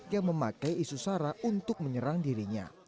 yang memakai isu sara untuk menyerang dirinya